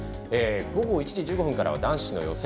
午後１時１５分からは男子の予選。